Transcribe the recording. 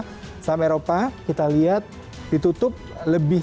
pada saat eropa kita lihat ditutup lebih